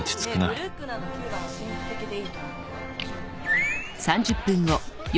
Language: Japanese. ブルックナーの９番は神秘的でいいと思うけど。